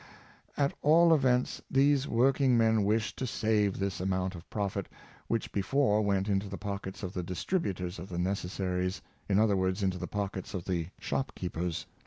At all events, these working men wished to save this amount of profit, which before went into the pockets of the distributors of the necessaries — in other words, into the pockets of the shop keepers.